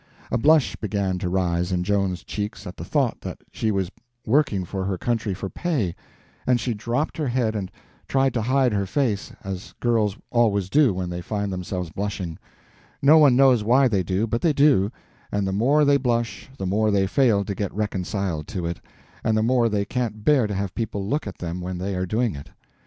A blush began to rise in Joan's cheeks at the thought that she was working for her country for pay, and she dropped her head and tried to hide her face, as girls always do when they find themselves blushing; no one knows why they do, but they do, and the more they blush the more they fail to get reconciled to it, and the more they can't bear to have people look at them when they are doing it.